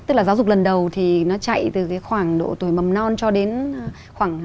tức là giáo dục lần đầu thì nó chạy từ cái khoảng độ tuổi mầm non cho đến khoảng hai mươi bốn hai mươi năm